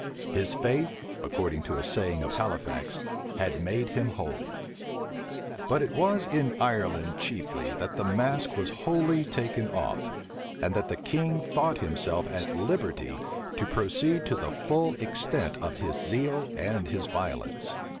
His faith, according to a saying of Halifax, had made him whole. But it was in Ireland chiefly that the mask was wholly taken off, and that the king thought himself at liberty to proceed to the full extent of his zeal and his violence.